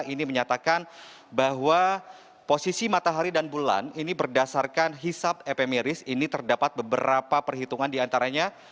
ini menyatakan bahwa posisi matahari dan bulan ini berdasarkan hisap epimeris ini terdapat beberapa perhitungan diantaranya